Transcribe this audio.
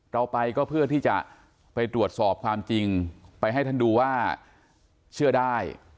เราไปก็เพื่อที่จะไปตรวจสอบความจริงไปให้ท่านดูว่าเชื่อได้